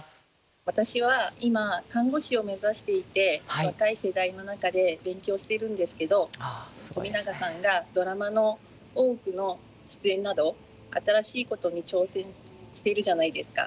私は今看護師を目指していて若い世代の中で勉強しているんですけど冨永さんがドラマの「大奥」の出演など新しいことに挑戦してるじゃないですか。